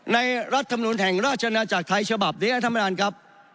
รัฐธรรมนุนแห่งราชนาจักรไทยฉบับนี้ท่านประธานครับ